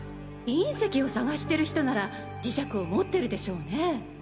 隕石を探してる人なら磁石を持ってるでしょうね。